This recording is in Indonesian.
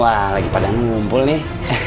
wah lagi pada ngumpul nih